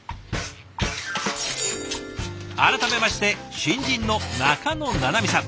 改めまして新人の仲野七海さん。